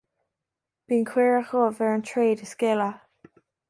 Bíonn caora dhubh ar an tréad is gile